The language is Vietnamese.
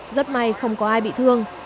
rất may không có ai bị thương